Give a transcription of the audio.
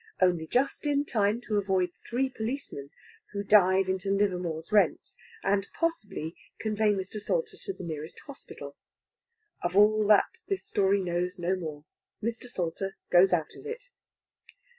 Only just in time to avoid three policemen, who dive into Livermore's Rents, and possibly convey Mr. Salter to the nearest hospital. Of all that this story knows no more; Mr. Salter goes out of it.